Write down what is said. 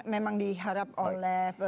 memang diharap oleh